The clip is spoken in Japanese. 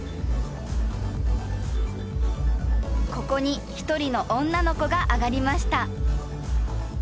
ここに一人の女の子が上がりました。